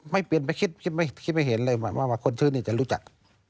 ไม่เปลี่ยนไปคิดไม่เห็นเลยว่าคนชื่อนี้จะรู้จัก